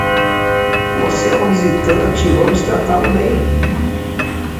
Você é um visitante e vamos tratá-lo bem.